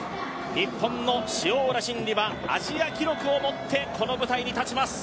日本の塩浦慎理はアジア記録を持ってこの舞台に立ちます。